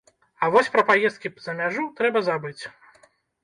А вось пра паездкі за мяжу трэба забыць.